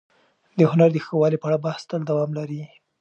د هنر د ښه والي په اړه بحث تل دوام لري.